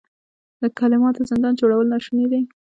د کلماتو زندان جوړول ناشوني دي.